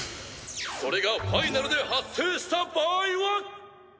それがファイナルで発生した場合は。